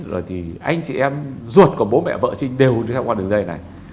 rồi thì anh chị em ruột của bố mẹ vợ trinh đều đưa ra qua đường dây này